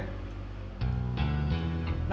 sampai jumpa lagi